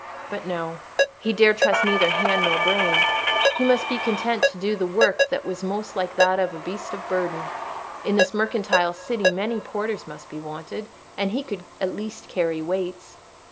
But no! he dared trust neither hand nor brain. He must be content to do the work that was most like that of a beast of burden: in this mercantile city many porters must be wanted, and he could at least carry weights.